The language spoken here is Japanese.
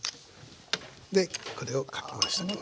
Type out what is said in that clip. でこれをかき回しておきます。